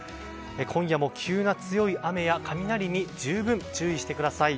今夜も急な強い雨や雷に十分、注意してください。